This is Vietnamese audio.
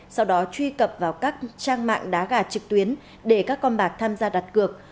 sau đó truy cập vào các trang mạng đá gà trực tuyến để các con bạc tham gia đặt cược